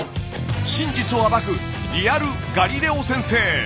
真実を暴くリアルガリレオ先生！